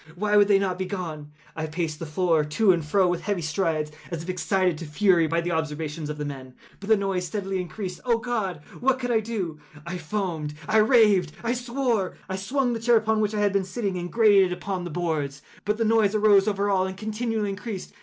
Why would they not be gone? I paced the floor to and fro with heavy strides, as if excited to fury by the observations of the men—but the noise steadily increased. Oh God! what could I do? I foamed—I raved—I swore! I swung the chair upon which I had been sitting, and grated it upon the boards, but the noise arose over all and continually increased.